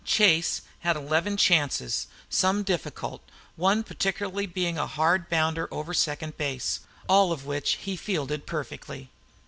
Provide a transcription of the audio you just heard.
Chase had eleven chances, some difficult, one particularly being a hard bounder over second base, all of which he fielded perfectly.